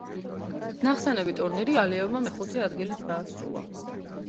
ნახსენები ტურნირი ალიევმა მეხუთე ადგილით დაასრულა.